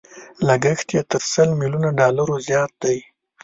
لګښت يې تر سل ميليونو ډالرو زيات دی.